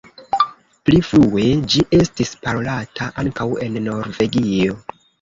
Pli frue ĝi estis parolata ankaŭ en Norvegio.